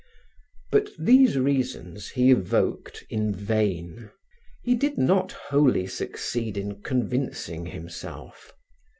But these reasons he evoked in vain. He did not wholly succeed in convincing himself.